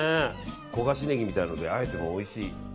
焦がしネギみたいなので和えてもおいしい。